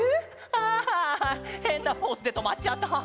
アハハへんなポーズでとまっちゃった。